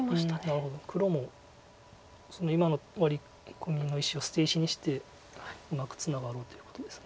なるほど黒も今のワリコミの石を捨て石にしてうまくツナがろうということです。